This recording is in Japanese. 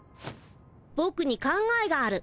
ぼくに考えがある。